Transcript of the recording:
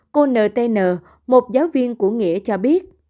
cô ntn một giáo viên của nghĩa cho biết